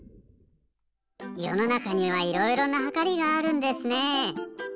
よのなかにはいろいろなはかりがあるんですね。